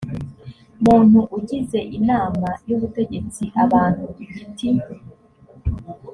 muntu ugize inama y ubutegetsi abantu ku giti